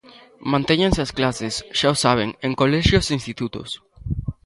Mantéñense as clases, xa o saben, en colexios e institutos.